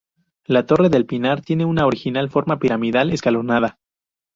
La torre del Pinar tiene una original forma piramidal escalonada.